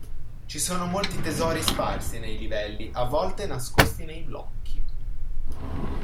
Ci sono molti tesori sparsi nei livelli, a volte nascosti nei blocchi.